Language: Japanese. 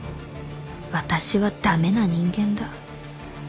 「私は駄目な人間だ」